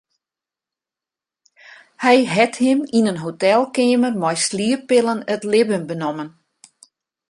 Hy hat him yn in hotelkeamer mei slieppillen it libben benommen.